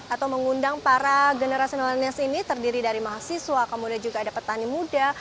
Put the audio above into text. atau mengundang para generasi milenial ini terdiri dari mahasiswa kemudian juga ada petani muda